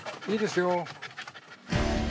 いいですよ。